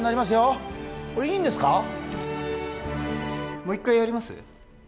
もう一回やります？